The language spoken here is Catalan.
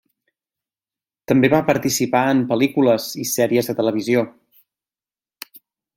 També va participar en pel·lícules i sèries de televisió.